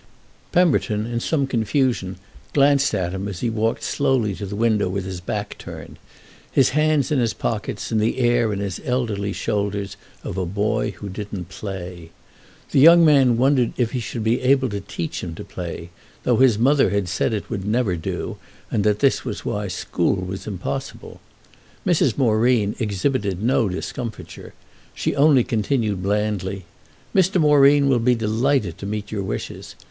Pemberton, in some confusion, glanced at him as he walked slowly to the window with his back turned, his hands in his pockets and the air in his elderly shoulders of a boy who didn't play. The young man wondered if he should be able to teach him to play, though his mother had said it would never do and that this was why school was impossible. Mrs. Moreen exhibited no discomfiture; she only continued blandly: "Mr. Moreen will be delighted to meet your wishes.